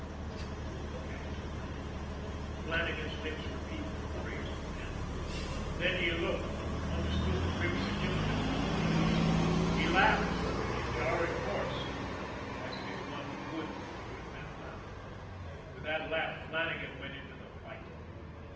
"Couldn't get to it" Flannagan's lips repeated the phrase mechanically. Then he looked and understood the grim significance of the words. He laughed suddenly, jarring hoarse, as it is not good to hear men laugh and with that laugh Flannagan went into the fight.